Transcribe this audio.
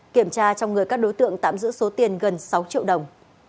kiểm tra trong người các đối tượng tạm giữ số tiền gần sáu triệu đồng